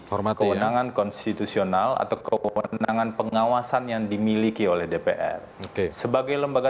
formal kewenangan konstitusional atau kewenangan pengawasan yang dimiliki oleh dpr sebagai lembaga